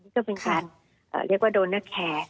นี่ก็เป็นการเรียกว่าโดนเนอร์แคร์